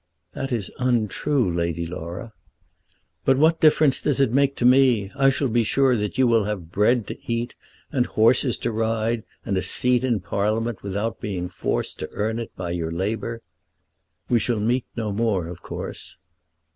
"That is untrue, Lady Laura." "But what difference does it make to me? I shall be sure that you will have bread to eat, and horses to ride, and a seat in Parliament without being forced to earn it by your labour. We shall meet no more, of course."